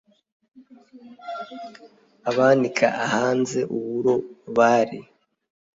Abanika ahanze uburo bari